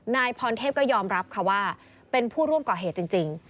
นายพรณเทพภุมภวงวัยก็ยอมรับว่าเป็นผู้ร่วมก่อเหตุจริง